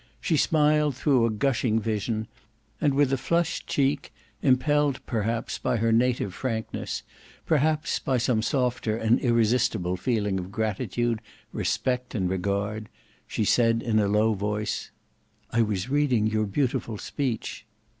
She smiled through a gushing vision: and with a flushed cheek, impelled perhaps by her native frankness, perhaps by some softer and irresistible feeling of gratitude, respect, regard, she said in a low voice, "I was reading your beautiful speech."